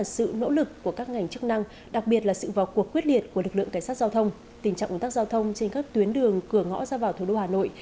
tình trạng ủn tắc giao thông trên các tuyến đường cửa ngõ ra vào thủ đô hà nội